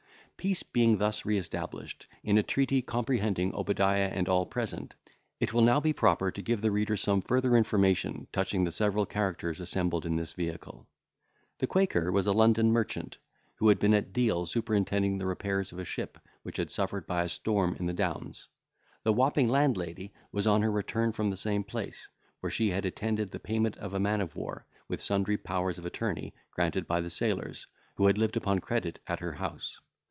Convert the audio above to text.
Peace being thus re established, in a treaty comprehending Obadiah and all present, it will not be improper to give the reader some further information, touching the several characters assembled in this vehicle. The quaker was a London merchant, who had been at Deal superintending the repairs of a ship which had suffered by a storm in the Downs. The Wapping landlady was on her return from the same place, where she had attended the payment of a man of war, with sundry powers of attorney, granted by the sailors, who had lived upon credit at her house.